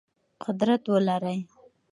قدرت ولرئ.